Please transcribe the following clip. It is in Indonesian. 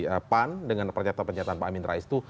dari pan dengan pernyataan pernyataan pak amin rais itu